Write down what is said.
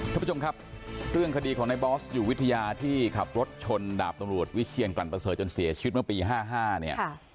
ท่านผู้ชมครับเรื่องคดีของในบอสอยู่วิทยาที่ขับรถชนดาบตำรวจวิเชียนกลั่นประเสริฐจนเสียชีวิตเมื่อปี๕๕เนี่ย